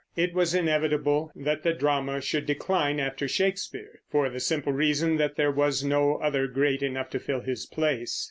It was inevitable that the drama should decline after Shakespeare, for the simple reason that there was no other great enough to fill his place.